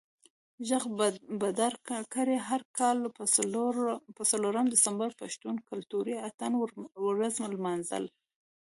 ږغ بدرګه کړئ، هر کال به څلورم دسمبر د پښتون کلتوري اتڼ ورځ لمانځو